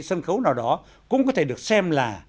sân khấu nào đó cũng có thể được xem là